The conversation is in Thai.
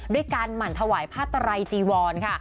ด้วยการหมั่นถวายผ้าไตรจีวรค่ะ